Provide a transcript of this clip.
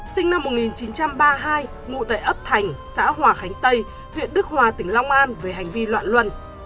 sinh năm một nghìn chín trăm ba mươi hai ngụ tại ấp thành xã hòa khánh tây huyện đức hòa tỉnh long an về hành vi loạn luân